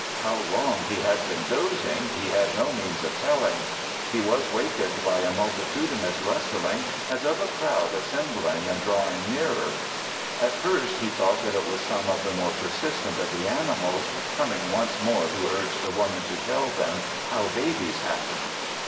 How long he had been dozing he had no means of telling. He was wakened by a multitudinous rustling, as of a crowd assembling and drawing nearer. At first he thought that it was some of the more persistent of the animals, coming once more to urge the Woman to tell them how babies happened.